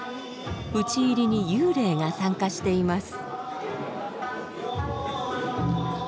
討ち入りに幽霊が参加しています。